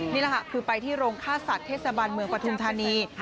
นี่แหละค่ะคือไปที่โรงฆ่าสัตว์เทศบาลเมืองปฐุมธานี